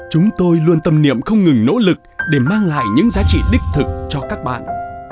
chúng tôi luôn tâm niệm không ngừng nỗ lực để mang lại những giá trị đích thực cho các bạn